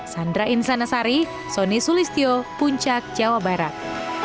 sandra insanasari sonny sulistyo puncak jawa barat